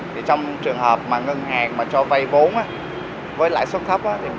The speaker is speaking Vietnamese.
trong trường hợp ngân hàng cho vay vốn với lãi suất thấp